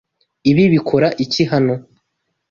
Ibi bikora iki hano?